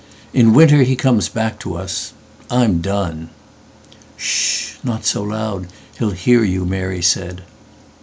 In winter he comes back to us. I'm done.""Sh! not so loud: he'll hear you," Mary said.